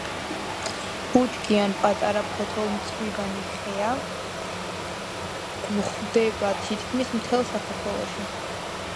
ბუჩქი ან პატარა ფოთოლმცვივანი ხეა, გვხვდება თითქმის მთელ საქართველოში.